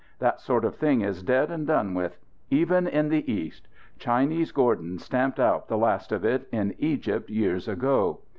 That sort of thing is dead and done with. Even in the East. Chinese Gordon stamped out the last of it, in Egypt, years ago.